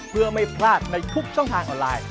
เพื่อไม่พลาดในทุกช่องทางออนไลน์